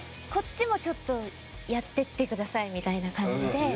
「こっちもちょっとやってってください」みたいな感じで。